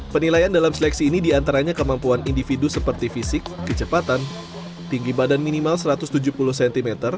penilaian dalam seleksi ini diantaranya kemampuan individu seperti fisik kecepatan tinggi badan minimal satu ratus tujuh puluh cm